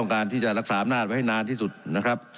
การที่จะรักษาอำนาจไว้ให้นานที่สุดนะครับ